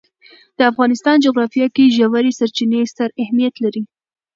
د افغانستان جغرافیه کې ژورې سرچینې ستر اهمیت لري.